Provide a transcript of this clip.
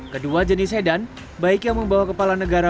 kedua jenis sedan baik yang membawa kepala negara